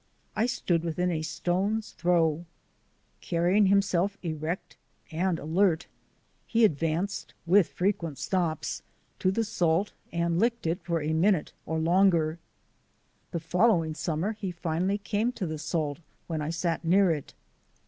I stood within a stone's throw. Carrying himself erect and alert, he advanced with frequent stops to the salt and licked it for a minute or longer. The following summer he finally came to the salt when I sat near it.